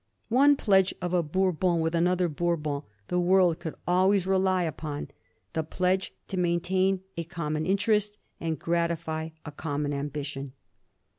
One pledge of a Bourbon with another Bourbon tiie world could always rely upon — the pledge to maintain a com mon interest and gratify a common ambition.